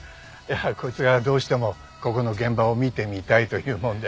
こいつがどうしてもここの現場を見てみたいと言うもんで。